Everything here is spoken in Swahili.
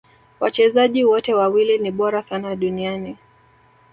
Wachezaji wote wawili ni bora sana duniani